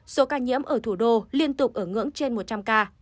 số ca nhiễm ở thủ đô liên tục ở ngưỡng trên một trăm linh ca